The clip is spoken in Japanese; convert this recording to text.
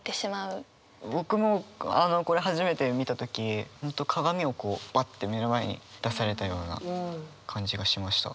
僕もこれ初めて見た時本当鏡をこうバッて目の前に出されたような感じがしました。